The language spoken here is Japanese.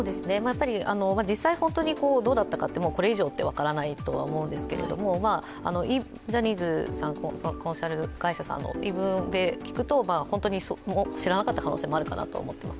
実際、本当にどうだったかはこれ以上は分からないと思うんですけどジャニーズさんのコンサル会社さんの言い分で聞くと本当に知らなかった可能性もあるかなと思います。